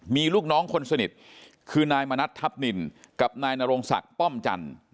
มีลูกน้องคนสนิทคือนายมณัฐทัพนินกับนายนโรงศักดิ์ป้อมจันทร์